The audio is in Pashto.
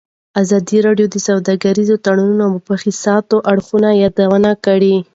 ازادي راډیو د سوداګریز تړونونه د مثبتو اړخونو یادونه کړې.